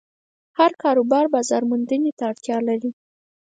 هر کاروبار بازارموندنې ته اړتیا لري.